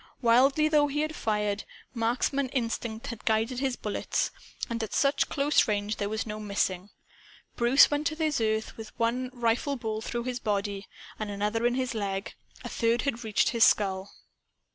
Wildly though he had fired, marksman instinct had guided his bullets. And at such close range there was no missing. Bruce went to earth with one rifle ball through his body, and another in his leg. A third had reached his skull.